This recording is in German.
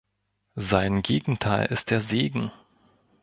Sein Gegenteil ist der Segen.